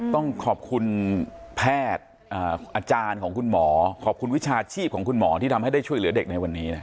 ต้องขอบคุณแพทย์อาจารย์ของคุณหมอขอบคุณวิชาชีพของคุณหมอที่ทำให้ได้ช่วยเหลือเด็กในวันนี้นะ